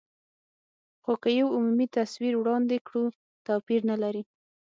خو که یو عمومي تصویر وړاندې کړو، توپیر نه لري.